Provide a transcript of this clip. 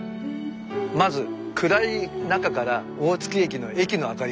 まず暗い中から大月駅の駅の明かりがつく。